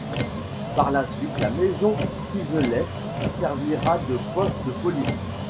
Par la suite la Maison Kiseleff servira de poste de police.